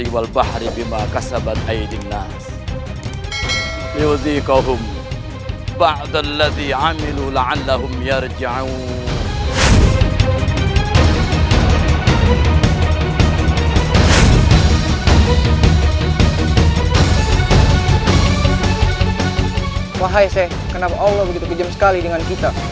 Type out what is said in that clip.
wahai saya kenapa allah begitu kejam sekali dengan kita